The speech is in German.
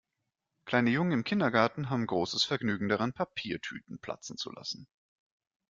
Kleine Jungen im Kindergarten haben großes Vergnügen daran, Papiertüten platzen zu lassen.